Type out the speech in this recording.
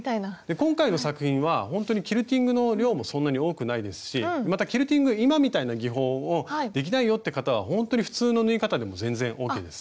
今回の作品はほんとにキルティングの量もそんなに多くないですしまたキルティングが今みたいな技法をできないよって方はほんとに普通の縫い方でも全然ＯＫです。